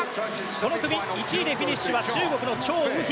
この組１位でフィニッシュは中国のチョウ・ウヒ。